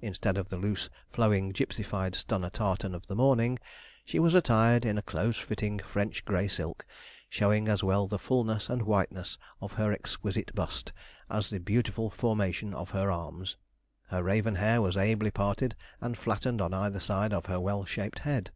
Instead of the loose, flowing, gipsified, stunner tartan of the morning, she was attired in a close fitting French grey silk, showing as well the fulness and whiteness of her exquisite bust, as the beautiful formation of her arms. Her raven hair was ably parted and flattened on either side of her well shaped head.